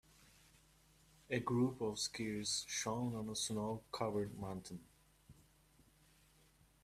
A group of skiers shown on a snow covered mountain.